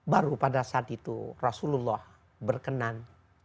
baru pada saat itu rasulullah berkenan